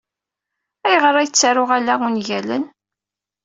Ayɣer ay ttaruɣ ala ungalen?